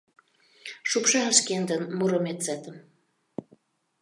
Шупшал шкендын Муромецетым.